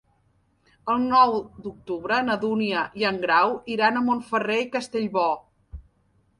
El nou d'octubre na Dúnia i en Grau iran a Montferrer i Castellbò.